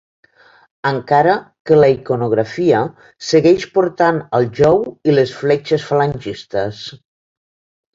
Encara que la iconografia segueix portant el jou i les fletxes falangistes.